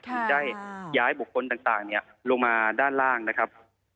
ถึงได้ย้ายบุคคลต่างลงมาด้านล่างนะครับ